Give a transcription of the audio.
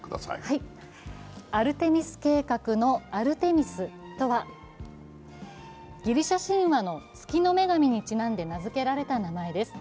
アルテミス計画のアルテミスとはギリシャ神話の月の女神にちなんで名付けられた名前です。